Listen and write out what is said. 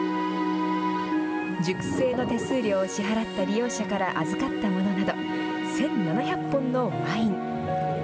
熟成の手数料を支払った利用者から預かったものなど、１７００本のワイン。